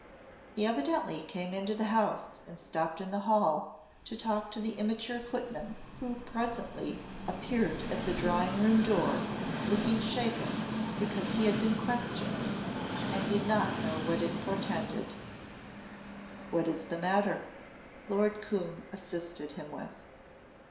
He evidently came into the house and stopped in the hall to talk to the immature footman who presently appeared at the drawing room door, looking shaken because he had been questioned and did not know what it portended. "What is the matter?" Lord Coombe assisted him with.